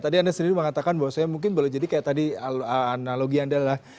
tadi anda sendiri mengatakan bahwa mungkin boleh jadi kayak tadi analogi anda lah